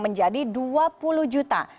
menjadi dua puluh juta